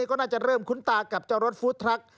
ก็น่าจะเริ่มคุ้นตากับเจ้ารถฟู้ดทรัค